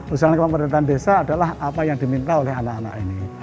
usaha pemerintahan desa adalah apa yang diminta oleh anak anak ini